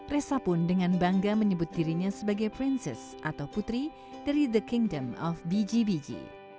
resa pun dengan bangga menyebut dirinya sebagai princess atau putri dari the kingdom of biji biji